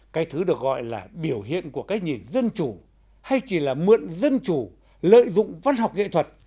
cái thứ được gọi là biểu hiện của cái nhìn dân chủ hay chỉ là mượn dân chủ lợi dụng văn học nghệ thuật để bịa đặt